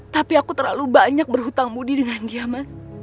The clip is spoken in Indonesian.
tapi aku terlalu banyak berhutang budi dengan dia mas